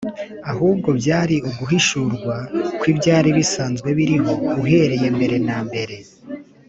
ahubwo byari uguhishurwa kw’ibyari bisanzwe biriho uhereye mbere na mbere